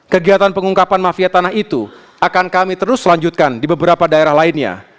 kegiatan pengungkapan mafia tanah itu akan kami terus lanjutkan di beberapa daerah lainnya